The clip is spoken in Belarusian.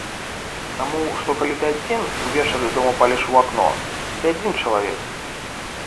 Таму што калі ты адзін, увечары дома паліш у акно,— ты адзін чалавек.